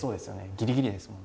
ギリギリでですもんね。